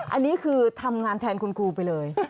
อันนี้คือทำงานแทนคุณครูไปเลย